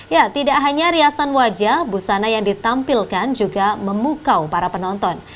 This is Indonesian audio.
ya tidak hanya riasan wajah busana yang ditampilkan juga memukau para penonton